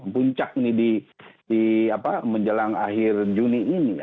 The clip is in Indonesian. puncak ini di menjelang akhir juni ini